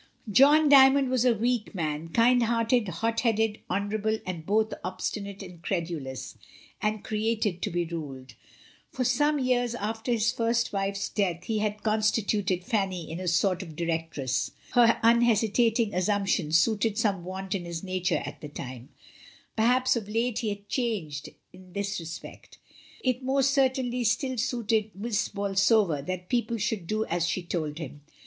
John Dymond was a weak man, kind hearted, hot headed, honourable, and both obstinate and credulous, and created to be ruled. For some years after his first wife's death he had constituted Fanny into a sort of directress — her unhesitating assump tion suited some want in his nature at the time — perhaps of late he had changed in this respect. It most certainly still suited Miss Bolsover that people should do as she told them.